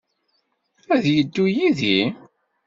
Ad yeddu yid-i?